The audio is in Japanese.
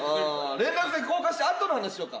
連絡先交換した後の話しようか？